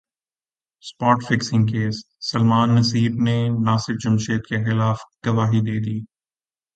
spot fixing case Salman Naseer نے ناصر جمشید کیخلاف گواہی دے دی